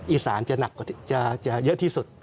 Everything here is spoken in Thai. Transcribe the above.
อีสานจะเยอะที่สุด